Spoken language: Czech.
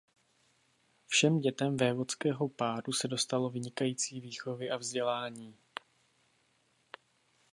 Všem dětem vévodského páru se dostalo vynikající výchovy a vzdělání.